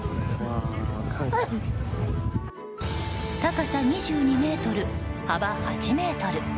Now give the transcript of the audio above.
高さ２２ｍ、幅８ｍ。